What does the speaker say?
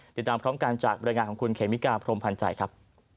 ติดตามพร้อมกันจากบรรยายงานของคุณเขมิกาพรมพันธ์ใจครับ